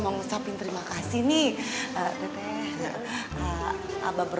mel ada yang mau dibantu lagi gak nih mel